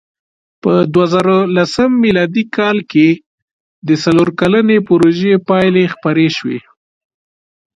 په دوهزرهلسم مېلادي کال کې د څلور کلنې پروژې پایلې خپرې شوې.